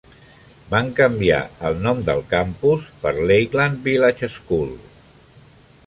Van canviar el nom del campus per Lakeland Village School.